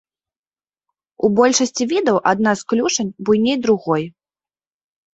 У большасці відаў адна з клюшань буйней другой.